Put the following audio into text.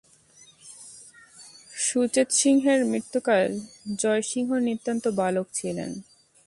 সুচেতসিংহের মৃত্যুকালে জয়সিংহ নিতান্ত বালক ছিলেন।